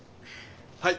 はい！